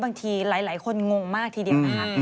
บางทีหลายคนงงมากทีเดียวนะคะ